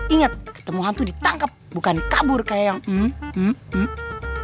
ingat ketemu hantu ditangkap bukan kabur kayak yang hmm hmm hmm